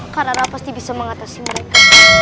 karena allah pasti bisa mengatasi mereka